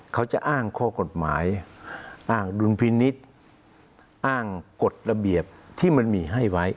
เขาจะอ้างข้อกฎหมายอ้างดุลพินิษฐ์อ้างกฎระเบียบที่มันมีให้ไว้